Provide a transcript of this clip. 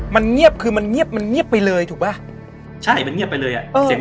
มันเงียบไปเลยถูกป่ะใช่มันเงียบไปเลย